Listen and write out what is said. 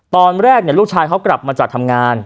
ตอนแรกลูกชายเขากลับมาจากทำงาน